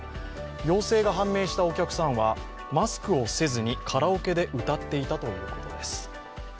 陽性が判明したお客さんはマスクをせずにカラオケで歌っていたということです。